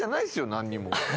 何にも。